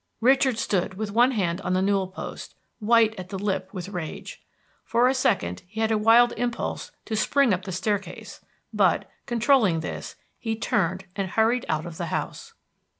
Richard stood with one hand on the newel post, white at the lip with rage. For a second he had a wild impulse to spring up the staircase, but, controlling this, he turned and hurried out of the house.